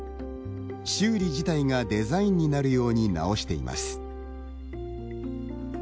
修理自体がデザインになるように直しています。